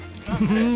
うん！